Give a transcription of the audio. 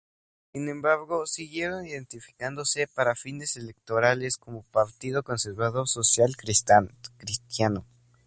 Sin embargo, siguieron identificándose para fines electorales como Partido Conservador Social Cristiano.